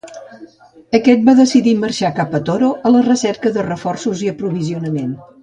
Aquest va decidir marxar cap a Toro a la recerca de reforços i aprovisionament.